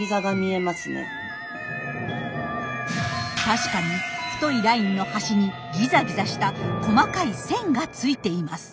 確かに太いラインの端にギザギザした細かい線がついています。